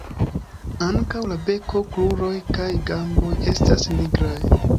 Ankaŭ la beko, kruroj kaj gamboj estas nigraj.